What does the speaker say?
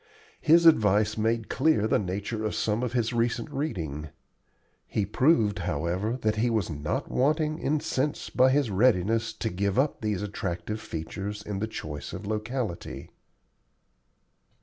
His advice made clear the nature of some of his recent reading. He proved, however, that he was not wanting in sense by his readiness to give up these attractive features in the choice of locality.